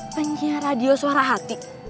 penyiar radio suara hati